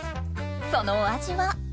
そのお味は？